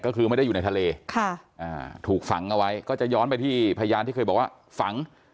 ก็คือไม่ได้อยู่ในทะเลถูกฝังเอาไว้ก็จะย้อนไปที่พยานที่เคยบอกว่าฝัง